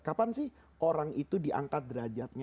kapan sih orang itu diangkat derajatnya